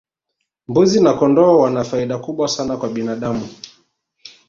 mbuzi na kondoo wana faida kubwa sana kwa binadamu